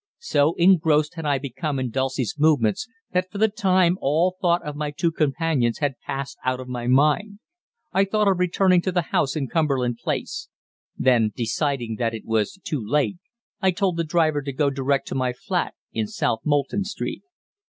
So engrossed had I become in Dulcie's movements that for the time all thought of my two companions had passed out of my mind. I thought of returning to the house in Cumberland Place; then, deciding that it was too late, I told the driver to go direct to my flat in South Molton Street.